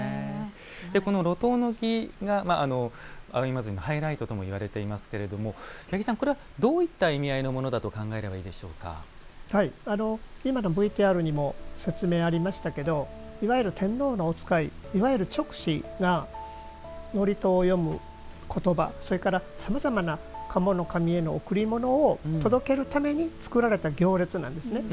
この路頭の儀が葵祭のハイライトとも言われていますけれども八木さん、これはどういった意味合いのものだと今のＶＴＲにも説明がありましたけどいわゆる天皇のお使いいわゆる勅使が祝詞を読む言葉それから、さまざまな賀茂の神への贈り物を届けるために作られた行列なんですね。